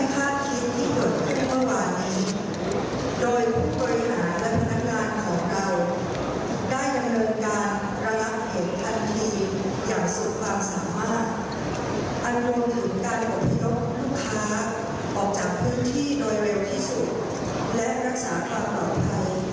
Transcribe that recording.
พยพลูกค้าออกจากพื้นที่โดยเร็วที่สุดและรักษาความปลอดภัย